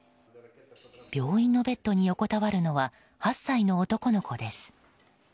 病院のベッドに横たわるのは８歳の男の子です。